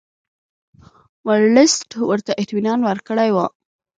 ورلسټ ورته اطمینان ورکړی وو.